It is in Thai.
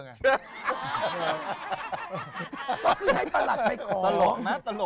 ต้องยึดให้ประหลัดไปคอลอง